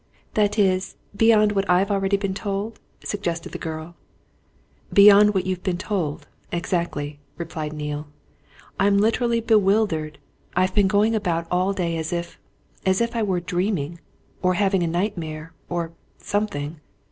"That is beyond what I've already been told?" suggested the girl. "Beyond what you've been told exactly," replied Neale. "I'm literally bewildered. I've been going about all day as if as if I were dreaming, or having a nightmare, or something.